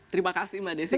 terima kasih mbak desi